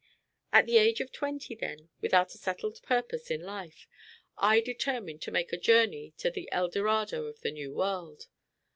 At the age of twenty, then, without a settled purpose in life, I determined to make a journey to the El Dorado of the New World.